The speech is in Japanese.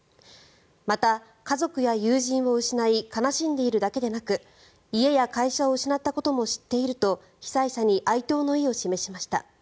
また、家族や友人を失い悲しんでいるだけでなく家や会社を失ったことも知っていると被災者に哀悼の意を示しました。